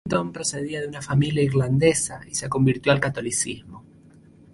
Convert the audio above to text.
Hamilton procedía de una familia irlandesa y se convirtió al Catolicismo.